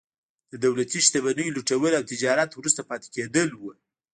د دولتي شتمنیو لوټول او د تجارت وروسته پاتې کېدل وو.